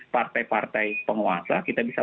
partai partai penguasa kita bisa